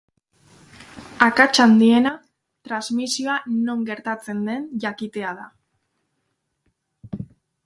Akats handiena, trasmisioa non gertatzen den jakitea da.